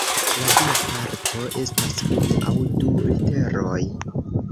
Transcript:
La dua parto estas unu aŭ du literoj.